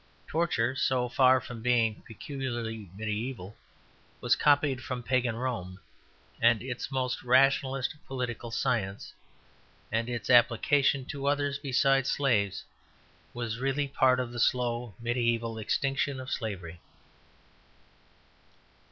Torture, so far from being peculiarly mediæval, was copied from pagan Rome and its most rationalist political science; and its application to others besides slaves was really part of the slow mediæval extinction of slavery.